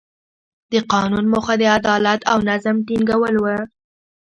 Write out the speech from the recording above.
د قانون موخه د عدالت او نظم ټینګول وو.